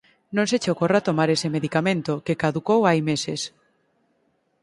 Non se che ocorra tomar ese medicamento, que caducou hai meses.